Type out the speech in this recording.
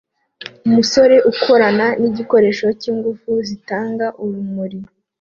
Umusore ukorana nigikoresho cyingufu zitanga urumuri